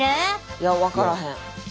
いや分からへん。